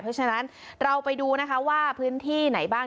เพราะฉะนั้นเราไปดูนะคะว่าพื้นที่ไหนบ้าง